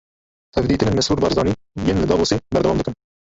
Hevdîtinên Mesrûr Barzanî yên li Davosê berdewam dikin.